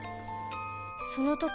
その時